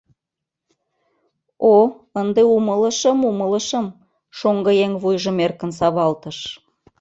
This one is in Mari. — О, ынде умылышым, умылышым, — шоҥгыеҥ вуйжым эркын савалтыш.